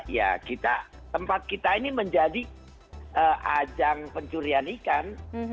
ya kita tempat kita ini menjadi ajang pencurian ikan